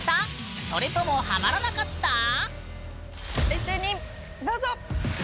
一斉にどうぞ！